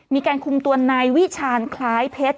มีการคุมตัวนายวิชาณคล้ายเพชร